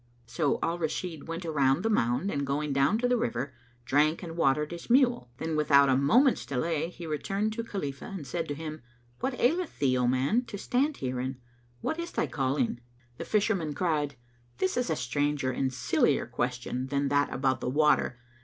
So Al Rashid went around the mound and going down to the river, drank and watered his mule: then without a moment's delay he returned to Khalifah and said to him, "What aileth thee, O man, to stand here, and what is thy calling?" The Fisherman cried, "This is a stranger and sillier question than that about the water!